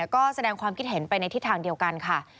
ก็แสดงความคิดเห็นไปในทิศทางเดียวกันค่ะ